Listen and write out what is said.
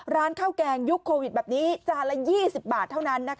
ร้านข้าวแกงยุคโควิดแบบนี้จานละ๒๐บาทเท่านั้น